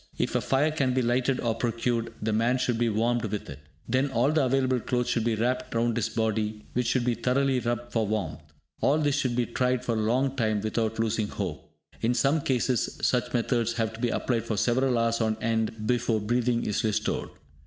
If a fire can be lighted or procured, the man should be warmed with it. Then all the available clothes should be wrapped round his body, which should be thoroughly rubbed for warmth. All this should be tried for a long time without losing hope. In some cases, such methods have to be applied for several hours on end before breathing is restored.